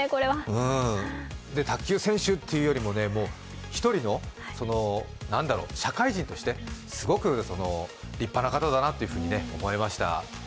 卓球選手というよりも、一人の社会人としてすごく立派な方だなというふうに思いました。